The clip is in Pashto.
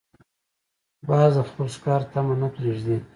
باز د خپل ښکار طمع نه پرېږدي